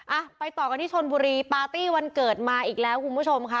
อ่ะไปต่อกันที่ชนบุรีปาร์ตี้วันเกิดมาอีกแล้วคุณผู้ชมค่ะ